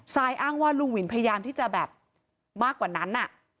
ซายอ้างว่าลุงวินพยายามที่จะแบบมากกว่านั้น